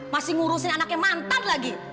masih ngurusin anaknya mantan lagi